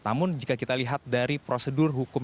namun jika kita lihat dari prosedur hukum